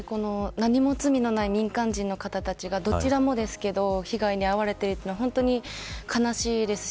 何も罪のない民間人の方たちがどちらもですけど被害に遭われているのは本当に悲しいですし